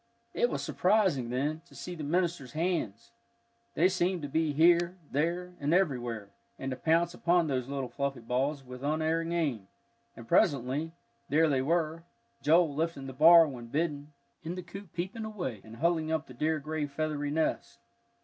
It was surprising, then, to see the minister's hands; they seemed to be here, there, and everywhere, and to pounce upon those little fluffy balls with unerring aim, and presently, there they were, Joel lifting the bar when bidden, in the coop, "peeping" away and huddling up to the dear gray feathery nest.